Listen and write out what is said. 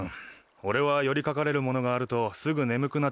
俺は寄り掛かれるものがあるとすぐ眠くなっちゃってな。